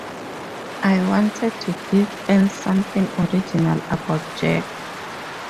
I wanted to give fans something original about Jack.